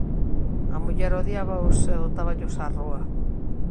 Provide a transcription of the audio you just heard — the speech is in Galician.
A muller odiábaos e botáballos á rúa.